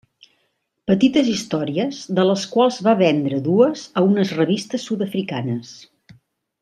Petites històries de les quals va vendre dues a unes revistes sud-africanes.